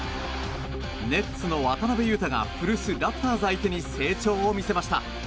ネッツの渡邊雄太が古巣ラプターズ相手に成長を見せました。